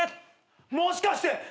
もしかして。